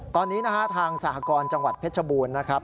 ตอนนี้นะฮะทางสหกรจังหวัดเพชรบูรณ์นะครับ